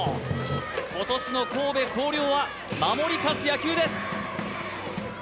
今年の神戸弘陵は守り勝つ野球です